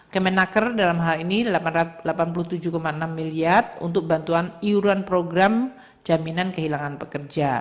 kemenaker dalam hal ini delapan puluh tujuh enam miliar untuk bantuan iuran program jaminan kehilangan pekerja